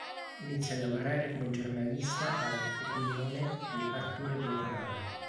Inizia a lavorare come giornalista all"'Opinione" di Arturo Diaconale.